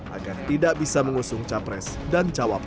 agar tidak bisa mengusung capres dan cawapres